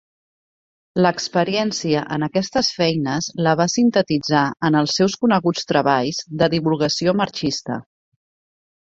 L'experiència en aquestes feines la va sintetitzar en els seus coneguts treballs de divulgació marxista.